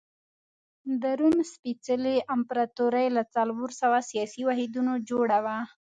د روم سپېڅلې امپراتوري له څلور سوه سیاسي واحدونو جوړه وه.